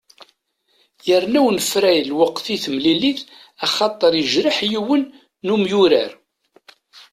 Yerna unefray lweqt i temlilit axaṭer yejreḥ yiwen n umyurar.